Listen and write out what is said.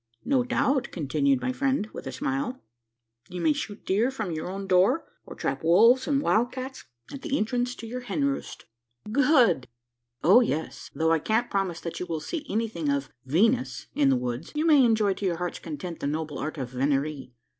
"No doubt," continued my friend, with a smile, "you may shoot deer from your own door; or trap wolves and wild cats at the entrance to your hen roost." "Good!" "O yes though I can't promise that you will see anything of Venus in the woods, you may enjoy to your heart's content the noble art of venerie.